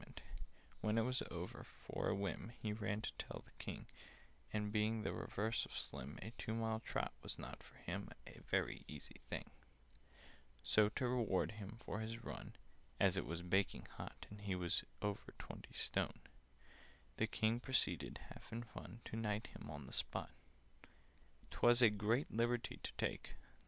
[Picture: He ran to tell the King] "When it was over, for a whim, He ran to tell the King; And being the reverse of slim, A two mile trot was not for him A very easy thing. "So, to reward him for his run (As it was baking hot, And he was over twenty stone), The King proceeded, half in fun, To knight him on the spot." "'Twas a great liberty to take!"